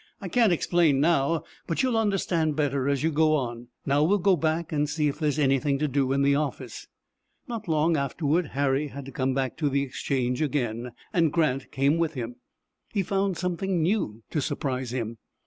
I can't explain now, but you'll understand better as you go on. Now we'll go back and see if there's anything to do in the office." Not long afterward Harry had to come back to the Exchange again, and Grant came with him. He found something new to surprise him.